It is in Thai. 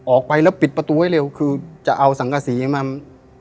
ออกไปแล้วปิดประตูให้เร็วคือจะเอาสังกษีมา